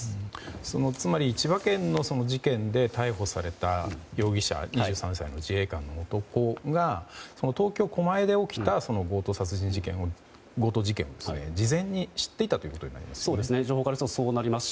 千葉県の事件で逮捕された容疑者２３歳の自衛官の男が東京・狛江で起きた強盗事件を事前に知っていたことになりますね。